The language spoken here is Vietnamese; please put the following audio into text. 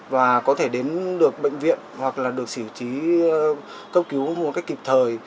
và có thể đến được bệnh viện hoặc là được xử trí cấp cứu một cách kịp thời